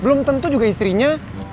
belum tentu juga istrinya